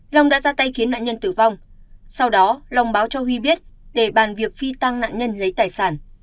long đã ra tay khiến nạn nhân tử vong sau đó long báo cho huy biết để bàn việc phi tăng nạn nhân lấy tài sản